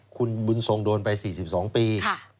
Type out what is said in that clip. คุณบุญทรงโดนไป๔๒ปี